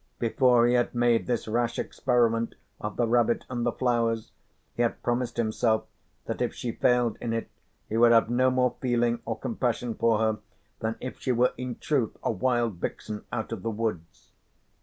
Before he had made this rash experiment of the rabbit and the flowers, he had promised himself that if she failed in it he would have no more feeling or compassion for her than if she were in truth a wild vixen out of the woods.